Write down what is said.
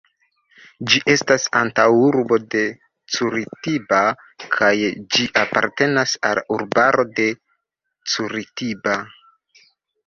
Ĝi estas antaŭurbo de Curitiba kaj ĝi apartenas al urbaro de Curitiba.